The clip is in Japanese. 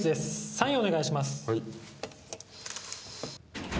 サインお願いします。